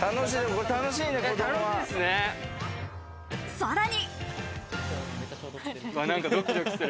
さらに。